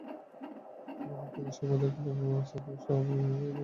তাঁর মৃত্যুতে সম্পাদক গোলাম সারওয়ারসহ সমকাল পরিবার গভীর শোক প্রকাশ করেছে।